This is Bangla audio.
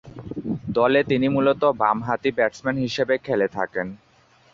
দলে তিনি মূলত বামহাতি ব্যাটসম্যান হিসেবে খেলে থাকেন।